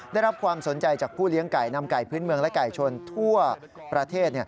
ได้รับความสนใจจากผู้เลี้ยงไก่นำไก่พื้นเมืองและไก่ชนทั่วประเทศ